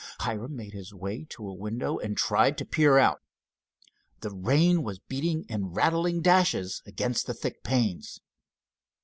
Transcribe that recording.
Hiram made his way to a window and tried to peer out. The rain was beating in rattling dashes against the thick panes.